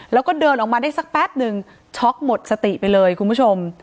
แล้วก็เดินออกมาได้สักแป๊บนึงช็อกหมดสติไปเลยคุณผู้ชม